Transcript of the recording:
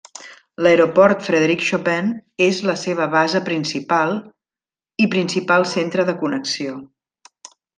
L'Aeroport Frederic Chopin és la seva base principal i principal centre de connexió.